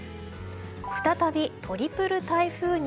再びトリプル台風に。